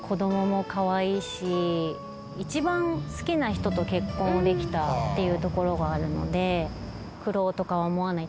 一番好きな人と結婚できたっていうところがあるので苦労とかは思わない。